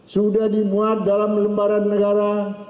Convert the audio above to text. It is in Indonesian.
sudah dimuat dalam lembaran negara